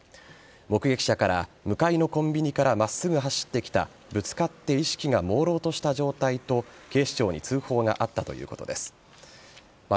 目撃者から向かいのコンビニから真っすぐ走ってきたぶつかって意識がもうろうとした状態と警視庁に通報があったということです。